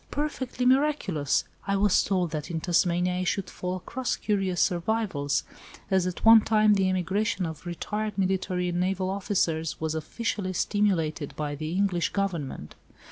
Perfectly miraculous! I was told that in Tasmania I should fall across curious survivals, as at one time the emigration of retired military and naval officers was officially stimulated by the English Government.